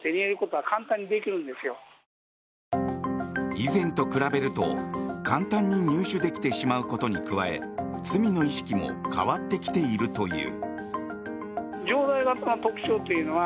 以前と比べると簡単に入手できてしまうことに加え罪の意識も変わってきているという。